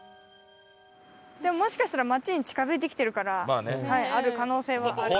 でももしかしたら街に近付いてきてるからある可能性はある。